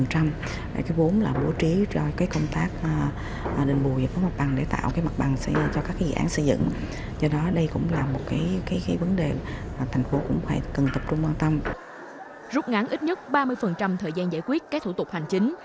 rút ngắn ít nhất ba mươi thời gian giải quyết các thủ tục hành chính